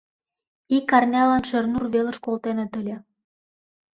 Ик арнялан Шернур велыш колтеныт ыле.